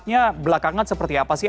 dan pada akhirnya belakangan seperti apa skip